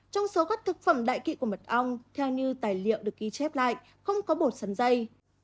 trong số các thực phẩm đại kỵ của mật ong theo như tài liệu được ghi chép lại không có bột sắn dây